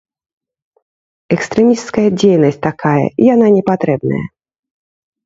Экстрэмісцкая дзейнасць такая, яна не патрэбная.